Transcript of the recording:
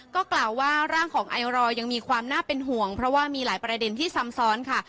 ก็กล่าวว่าร่างของไอรอยังมีความน่าเป็นห่วงเพราะว่ามีหลายประเด็นที่ซ้ำซ้อนค่ะ